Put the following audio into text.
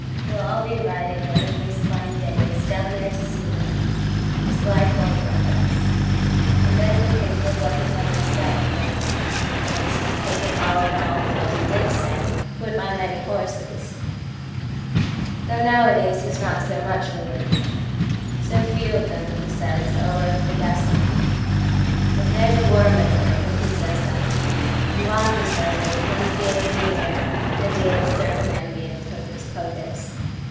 We'll all be riding, one of these fine days, Down there to see him—and his wife won't like us; And then we'll think of what he never saidOf women—which, if taken all in allWith what he did say, would buy many horses. Though nowadays he's not so much for women:"So few of them," he says, "are worth the guessing."But there's a worm at work when he says that, And while he says it one feels in the airA deal of circumambient hocus pocus.